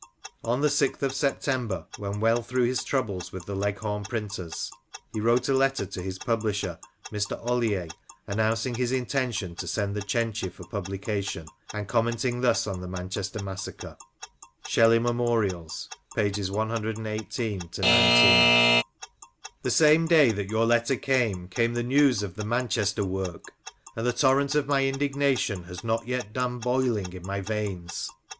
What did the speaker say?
On the 6th of September, when well through his troubles with the Leghorn printers, he wrote a letter* to his publisher, Mr. Oilier, announcing his intention to send The Cenci for publication, and commenting thus on the Manchester massacre :—The same day that your letter came, came the news of the Manchester work, and the torrent of my indignation has not yet done boiling in my veins.